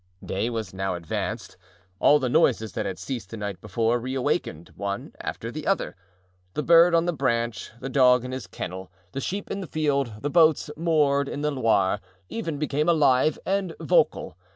Day was now advanced; all the noises that had ceased the night before reawakened, one after the other. The bird on the branch, the dog in his kennel, the sheep in the field, the boats moored in the Loire, even, became alive and vocal.